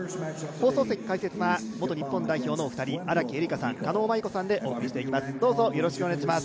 放送席解説は元日本代表のお二人、荒木絵里香さん、狩野舞子さんでお送りしていきます。